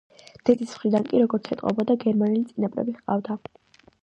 დედის მხრიდან კი, როგორც ეტყობოდა, გერმანელი წინაპრები ჰყავდა.